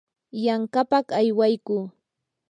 yanqapaq aywaykuu.